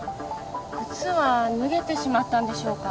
靴は脱げてしまったんでしょうか？